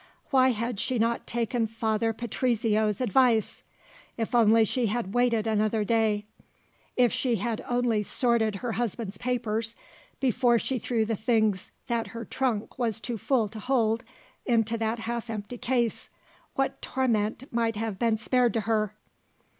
Why had she not taken Father Patrizio's advice? If she had only waited another day; if she had only sorted her husband's papers, before she threw the things that her trunk was too full to hold into that half empty case, what torment might have been spared to her!